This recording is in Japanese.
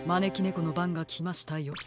このばんがきましたよ。